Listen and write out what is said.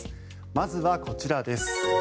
まずはこちらです。